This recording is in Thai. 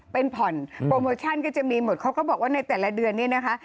เป็นผ่อนโปรโมชั่นก็จะมีหมดเขาก็บอกว่าในแต่ละเดือนเนี่ยนะคะ